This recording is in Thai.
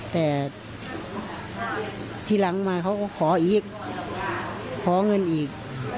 แต่ที่หลังมาเขาก็ขออีกขอเงินอีก